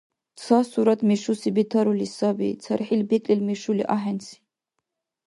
Ца сурат мешуси бетарули саби, цархӀил бекӀлил мешули ахӀенси.